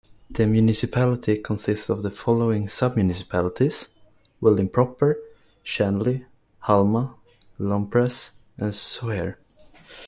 The municipality consists of the following sub-municipalities: Wellin proper, Chanly, Halma, Lomprez, and Sohier.